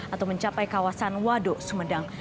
atau mencapai kawasan waduk sumedang